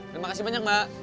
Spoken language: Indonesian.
terima kasih banyak mbak